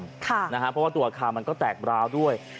เพราะว่าตัวอาคารมันก็แตกร้าวด้วย